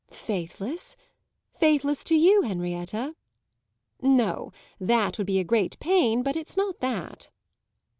"Faithless? Faithless to you, Henrietta?" "No, that would be a great pain; but it's not that."